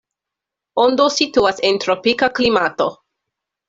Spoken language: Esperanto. Ondo situas en tropika klimato.